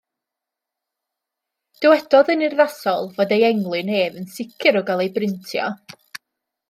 Dywedodd yn urddasol fod ei englyn ef yn sicr o gael ei brintio.